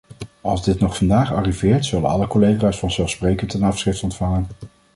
Als dit nog vandaag arriveert, zullen alle collega's vanzelfsprekend een afschrift ontvangen.